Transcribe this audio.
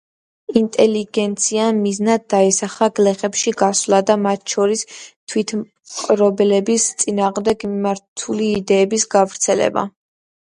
ინტელიგენციამ მიზნად დაისახა გლეხებში გასვლა და მათ შორის თვითმპყრობელობის წინააღმდეგ მიმართული იდეების გავრცელება.